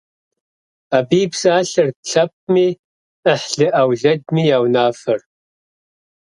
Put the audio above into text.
Абы и псалъэрт лъэпкъми, ӏыхьлы-ӏэулэдми я унафэр.